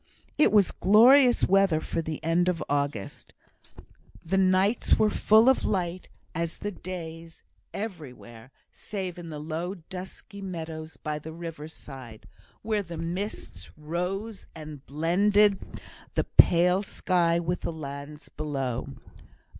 It was glorious weather for the end of August. The nights were as full of light as the days everywhere, save in the low dusky meadows by the river side, where the mists rose and blended the pale sky with the lands below.